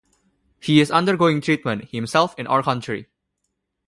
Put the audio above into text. He is undergoing treatment, himself, in our country.